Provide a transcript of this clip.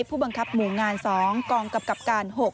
ผู้บังคับหมู่งาน๒กองกำกับการ๖